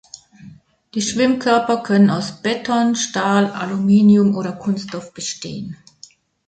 Die Schwimmkörper können aus Beton, Stahl, Aluminium oder Kunststoff bestehen.